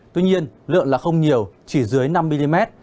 tuy nhiên lượng là không nhiều chỉ dưới năm mm